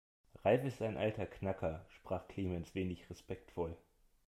Ralf ist ein alter Knacker, sprach Clemens wenig respektvoll.